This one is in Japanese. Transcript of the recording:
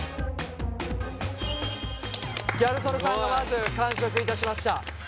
ギャル曽根さんがまず完食いたしました。